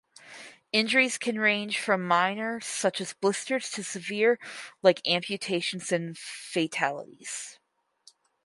Injuries can range from minor such as blisters to severe like amputations and fatalities.